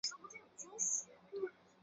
毕业于首尔大学音乐学院作曲系。